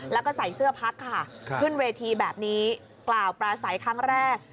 แล้วก็ใส่เสื้อพักค่ะขึ้นเวทีแบบนี้กล่าวปราศัยครั้งแรก